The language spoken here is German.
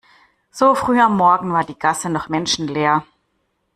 So früh am Morgen war die Gasse noch menschenleer.